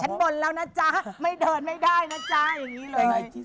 ฉันบนแล้วนะจ๊ะไม่เดินไม่ได้นะจ๊ะ